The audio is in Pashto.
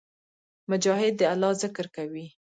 مجاهد د الله ذکر کوي.